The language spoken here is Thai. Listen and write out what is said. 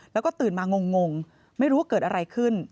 แล้วก็ตื่นมางงไม่รู้ว่าเกิดอะไรขึ้น